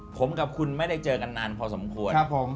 ผมกับคุณไม่ได้เจอกันนานพอสมควรครับผม